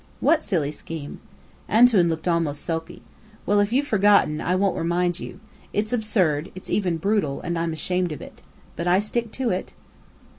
"What silly scheme?" "Antoun" looked almost sulky. "Well, if you've forgotten, I won't remind you. It's absurd; it's even brutal; and I'm ashamed of it. But I stick to it."